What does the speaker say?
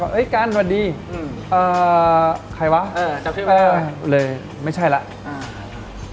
เฮ้ยกัลส์สวัสดีใครวะไม่ใช่แล้ว